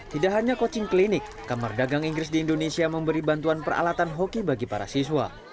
tidak hanya coaching klinik kamar dagang inggris di indonesia memberi bantuan peralatan hoki bagi para siswa